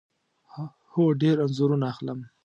هو، ډیر انځورونه اخلم